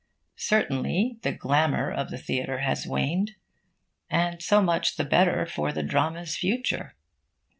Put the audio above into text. Certainly the glamour of the theatre has waned. And so much the better for the drama's future.